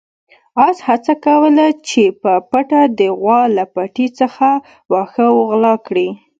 اس هڅه کوله چې په پټه د غوا له پټي څخه واښه وغلا کړي.